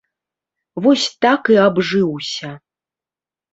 Вось так і абжыўся.